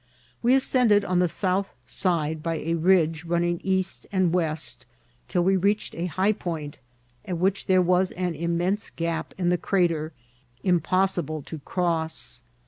We ascend ed on the south side by a ridge running east and west till we reached a high point, at which there was an im mense gap in the crater impossible to cross.